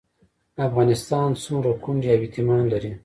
افغانستان څومره کونډې او یتیمان لري؟